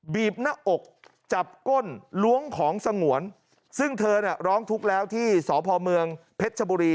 บีบหน้าอกจับก้นล้วงของสงวนซึ่งเธอเนี่ยร้องทุกข์แล้วที่สพเมืองเพชรชบุรี